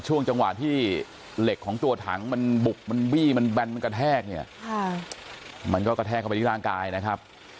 ช่วงจังหวะที่เหล็กของตัวถังมันบุกมันบี้มันแบนมันกระแทกเนี่ยมันก็กระแทกเข้าไปที่ร่างกายนะครับ